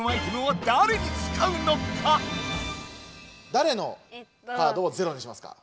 だれのカードをゼロにしますか？